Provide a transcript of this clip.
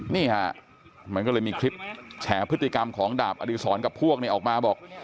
นี่ฮะมันก็เลยมีคลิปแฉพฤติกรรมของดาบอดีศรกับพวกนี้ออกมาบอก